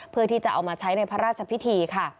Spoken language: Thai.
เพื่อที่จะเอามาใช้ในพระราชพิธีค่ะ